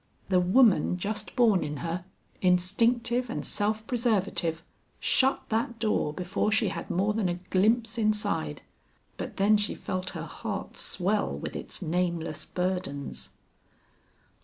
The woman just born in her, instinctive and self preservative, shut that door before she had more than a glimpse inside. But then she felt her heart swell with its nameless burdens.